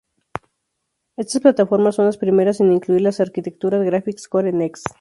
Estas plataformas son las primeras en incluir la arquitectura Graphics Core Next.